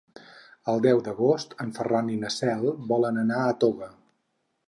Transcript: El deu d'agost en Ferran i na Cel volen anar a Toga.